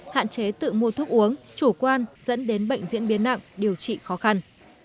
hạn chế tự mua thuốc uống chủ quan dẫn đến bệnh diễn biến nặng điều trị khó khăn